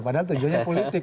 padahal tujuannya politik